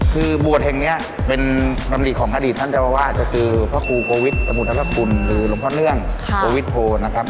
คือบวชแห่งนี้เป็นตำริของอดีตท่านเจ้าวาดก็คือพระครูโกวิทสมุทรคุณหรือหลวงพ่อเนื่องโกวิทโทนะครับ